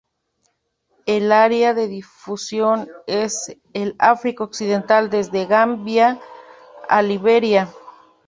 El área de difusión es el África Occidental, desde Gambia a Liberia.